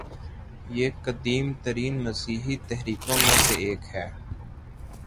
یہ قدیم ترین مسیحی تحریکوں میں سے ایک ہے